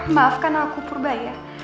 maafkan aku purbaya